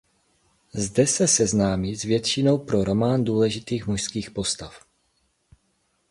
Zde se seznámí s většinou pro román důležitých mužských postav.